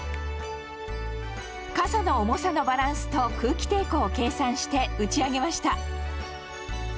傘の重さのバランスと空気抵抗を計算して打ち上げました。